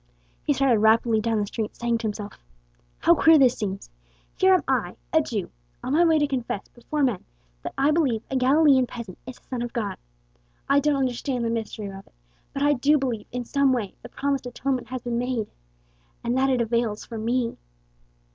He started rapidly down the street, saying to himself: "How queer this seems! Here am I, a Jew, on my way to confess before men that I believe a Galilean peasant is the Son of God. I don't understand the mystery of it, but I do believe in some way the promised atonement has been made, and that it avails for me."